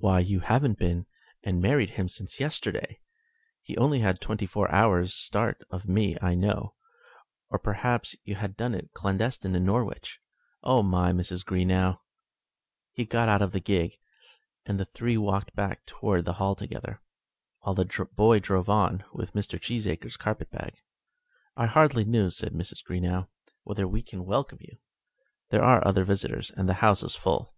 "Why, you haven't been and married him since yesterday? He only had twenty four hours' start of me, I know. Or, perhaps, you had it done clandestine in Norwich? Oh, Mrs. Greenow!" He got out of the gig, and the three walked back towards the Hall together, while the boy drove on with Mr. Cheesacre's carpetbag. "I hardly know," said Mrs. Greenow, "whether we can welcome you. There are other visitors, and the house is full."